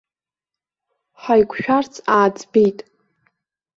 Ҳаиқәшәарц ааӡбеит.